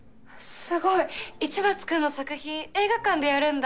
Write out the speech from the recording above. すごい！市松君の作品映画館でやるんだ。